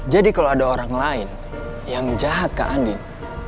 jadi kalau ada orang lain yang jahat ke andin